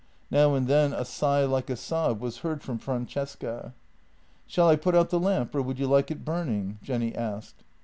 Now and then a sigh like a sob was heard from Francesca. " Shall I put out the lamp, or would you like it burning? " Jenny asked.